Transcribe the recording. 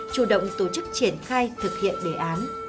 chủ động tổ chức triển khai thực hiện đề án